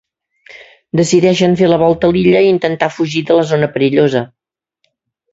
Decideixen fer la volta a l'illa i intentar fugir de la zona perillosa.